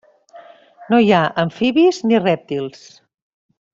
No hi ha amfibis ni rèptils.